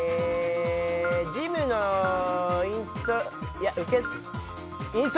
ジムのインスト。